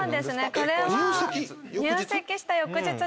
これは。